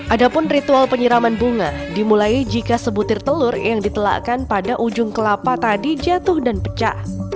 ada pun ritual penyiraman bunga dimulai jika sebutir telur yang ditelakkan pada ujung kelapa tadi jatuh dan pecah